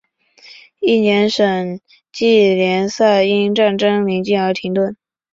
翌年省际联赛因战争临近而停顿。